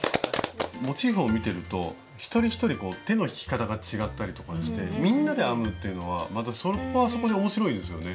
モチーフを見てると一人一人手の引き方が違ったりとかしてみんなで編むというのはそこはそこで面白いですよね。